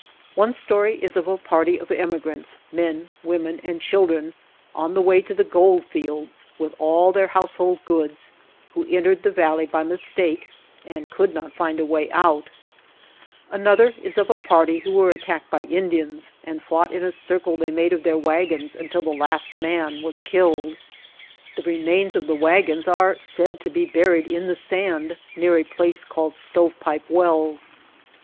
One story is of a party of emigrants, men, women, and chil dren, on the way to the gold fields with all their household goods, who entered the valley by mis take and could not find a way out; another is of a party who were attacked by Indians and fought in a circle they made of their wagons until the last man was killed. The remains of the wagons White Heart of Mojave are said to be buried in the sand near a place called Stovepipe Wells.